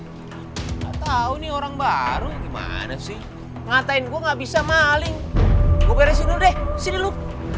enggak tahu nih orang baru gimana sih ngatain gua nggak bisa maling gue beresin udah sini lo